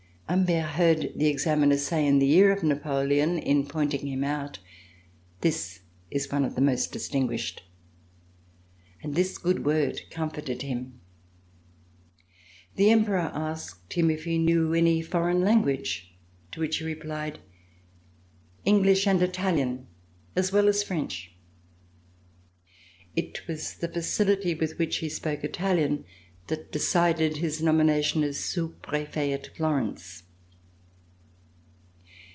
Humbert heard the examiner say in the ear of Napoleon in pointing him out: "This is one of the most distinguished," and this good word comforted him. The Emperor asked him if he knew any foreign language, to which he replied: English and Italian, as well as French." It was the facility with which he spoke Italian that decided his nomination as Sous Prefet at Florence.